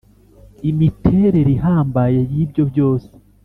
imiterere ihambaye y’ ibyo byose .